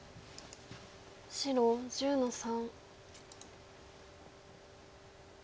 白１０の三。